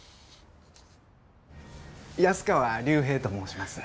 安川龍平と申します。